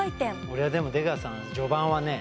俺はでも出川さん序盤はね